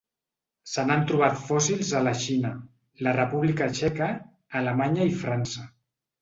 Se n'han trobat fòssils a la Xina, la República Txeca, Alemanya i França.